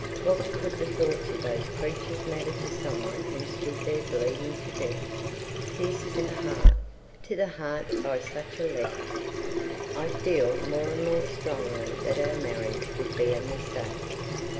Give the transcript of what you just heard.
What could the thoughts of those creatures matter to some one who stood there bleeding to death, pierced to the heart, to the heart, by such a letter— ... "I feel more and more strongly that our marriage would be a mistake.